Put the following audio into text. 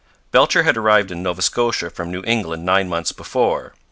Belcher had arrived in Nova Scotia from New England nine months before.